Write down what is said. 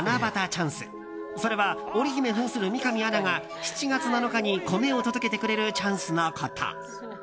チャンスそれは織り姫扮する三上アナが７月７日に米を届けてくれるチャンスのこと。